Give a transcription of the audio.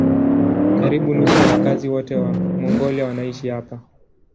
Karibu nusu ya wakazi wote wa Mongolia wanaishi hapa.